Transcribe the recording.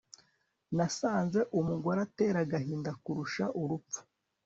nasanze umugore atera agahinda kurusha urupfu,